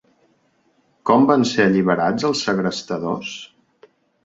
Com van ser alliberats els segrestadors?